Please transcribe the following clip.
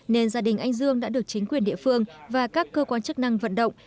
nên gia đình anh dương đã được chính quyền địa phương và các cơ quan chức năng vận động